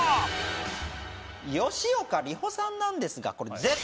吉岡里帆さんなんですがこれ。